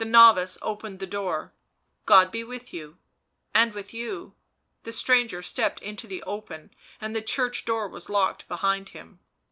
The novice opened the door. " God be with you." " And with you "; the stranger stepped into the open and the church door was locked behind him.